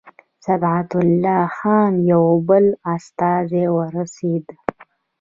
صبغت الله خان یو بل استازی ورسېدی.